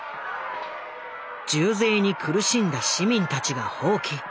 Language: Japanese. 重税に苦しんだ市民たちが蜂起。